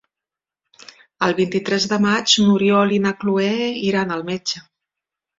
El vint-i-tres de maig n'Oriol i na Cloè iran al metge.